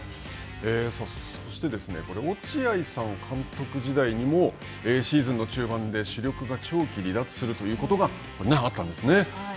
そして、落合さん、監督時代にもシーズンの中盤で主力が長期離脱するということがあったんですね。